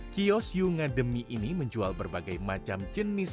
kios yunga demi ini menjual berbagai macam jenis